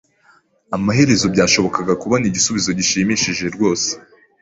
Amaherezo byashobokaga kubona igisubizo gishimishije rwose.